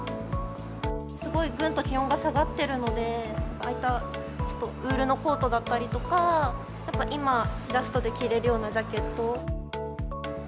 すごいぐんと気温が下がってるので、ああいったウールのコートだったり、やっぱ今、ジャストで着れるようなジャケットを。